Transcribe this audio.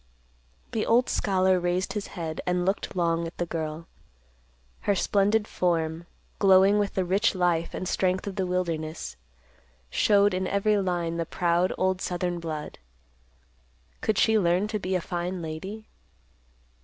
The old scholar raised his head and looked long at the girl. Her splendid form, glowing with the rich life and strength of the wilderness, showed in every line the proud old southern blood. Could she learn to be a fine lady?